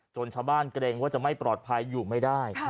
ชาวบ้านเกรงว่าจะไม่ปลอดภัยอยู่ไม่ได้